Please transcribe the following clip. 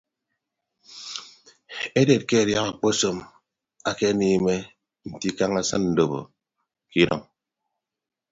Eded ke adiaha akpasọm akeniime nte ikañ asịn ndobo ke idʌñ.